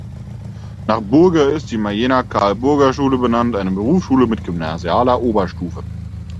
Nach Burger ist die Mayener Carl-Burger-Schule benannt, eine Berufsschule mit gymnasialer Oberstufe.